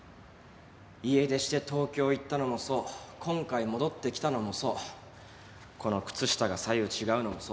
家出して東京行ったのもそう今回戻ってきたのもそうこの靴下が左右違うのもそう全部ルーシーのせいなんだ。